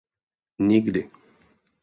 Nikdy!...